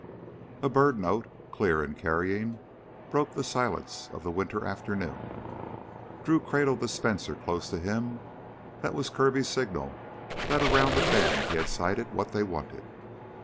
A bird note, clear and carrying, broke the silence of the winter afternoon. Drew cradled the Spencer close to him. That was Kirby's signal that around the bend he had sighted what they wanted.